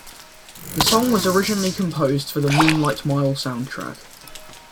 The song was originally composed for the "Moonlight Mile" soundtrack.